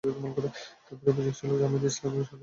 তাদের অভিযোগ ছিল জামায়াতে ইসলামী সন্ত্রাসবাদ সমর্থন করে।